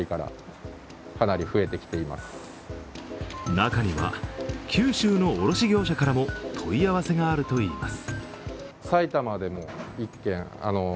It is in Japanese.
中には、九州の卸業者からも問い合わせがあるといいます。